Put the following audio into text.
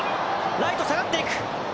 ライト下がっていく。